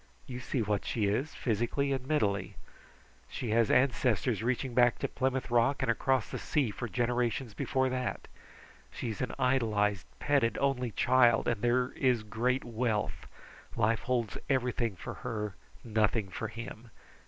You see what she is, physically and mentally. She has ancestors reaching back to Plymouth Rock, and across the sea for generations before that. She is an idolized, petted only child, and there is great wealth. Life holds everything for her, nothing for him.